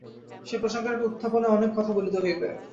সে প্রসঙ্গের উত্থাপনে অনেক কথা বলিতে হইবে।